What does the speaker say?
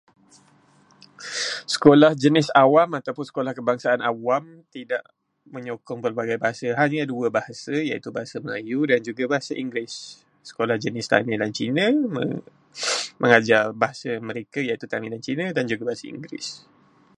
Sekolah jenis awam ataupun sekolah kebangsaan awam tidak menyokong berbagai bahasa. Hanya dua bahasa, iaitu bahasa Melayu dan juga bahasa Inggeris. Sekolah jenis Tamil dan Cina mengajar bahasa mereka iaitu bahasa Tamil dan Cina dan juga bahasa Inggeris.